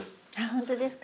本当ですか。